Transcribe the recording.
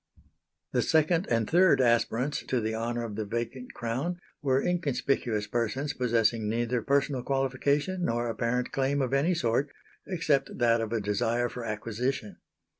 The second and third aspirants to the honour of the vacant crown were inconspicuous persons possessing neither personal qualification nor apparent claim of any sort except that of a desire for acquisition.